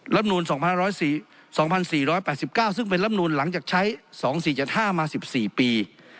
รัฐมนูล๒๔๘๙ซึ่งเป็นรัฐมนูลหลังจากใช้๒๔๗๕มา๑๔ปี